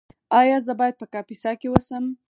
ایا زه باید په کاپیسا کې اوسم؟